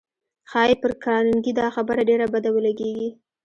ښایي پر کارنګي دا خبره ډېره بده ولګېږي